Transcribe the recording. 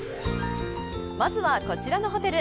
まずはこちらのホテル。